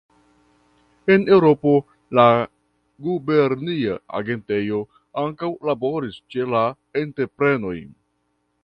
En Eŭropo, la gubernia agentejo ankaŭ laboris ĉe la entreprenoj.